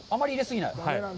あまり入れ過ぎない。